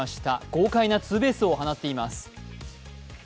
豪快なツーベースを放っています。